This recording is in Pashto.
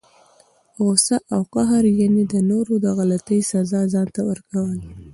غصه او قهر، یعني د نورو د غلطۍ سزا ځانته ورکول!